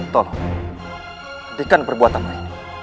tolong hentikan perbuatan ini